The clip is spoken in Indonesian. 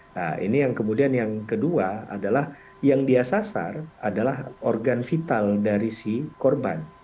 nah ini yang kemudian yang kedua adalah yang dia sasar adalah organ vital dari si korban